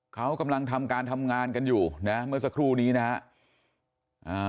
เขากำลังทำการทำงานกันอยู่นะเมื่อสักครู่นี้นะฮะ